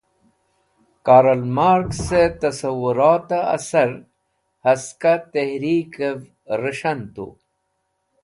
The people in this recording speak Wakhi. Karl Markse Tassawurate Asar haska Tehrikev Ris̃han Tu.